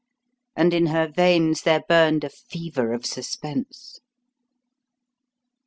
And in her veins there burned a fever of suspense.